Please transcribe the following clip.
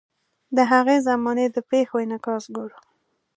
د هغې زمانې د پیښو انعکاس ګورو.